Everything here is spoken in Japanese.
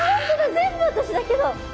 全部私だけど。